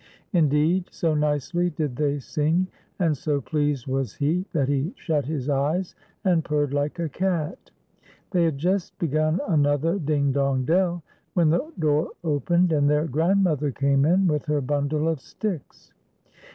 Indeed, so nicely did they sing, and so pleased was he, that he shut his eyes and purred like a cat. They had just begun another "Ding, dong, dell," when the door opened, and their grandmother came in with her bundle of sticks.